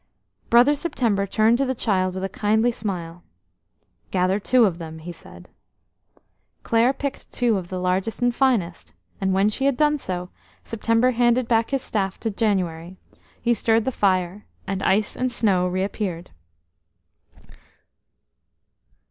Brother September turned to the child with a kindly smile. "Gather two of them," he said. Clare picked two of the largest and finest, and when she had done so, September handed back his staff to January; he stirred the fire, and ice and snow reappeared.